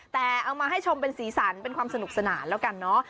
แต่เอามาให้ชมเป็นสีสันเป็นความสนุกสนานแล้วกันเนอะ